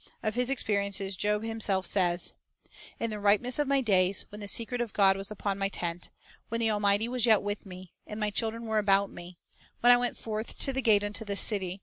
Of his experiences Job himself says :— "In the ripeness of my days, When the secret of God was upon my tent; When the Almighty was yet with me, And my children were about me; ... When I went forth to the gate unto the city.